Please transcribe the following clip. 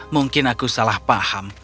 mungkin aku salah paham